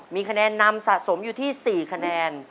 มีคะแนนนำสะสมอยู่ที่๔คะแนน